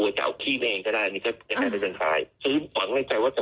เอาโปรแม้ได้แค่ตรงจุทธิศภาษาตรงไปนะฮะ